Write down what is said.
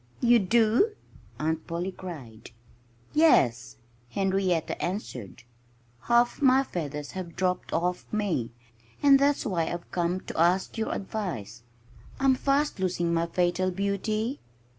"You do?" Aunt Polly cried. "Yes!" Henrietta answered. "Half my feathers have dropped off me. And that's why I've come to ask your advice. I'm fast losing my fatal beauty."